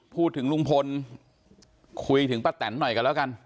ลุงพลคุยถึงป้าแตนหน่อยกันแล้วกัน